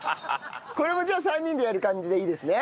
これもじゃあ３人でやる感じでいいですね。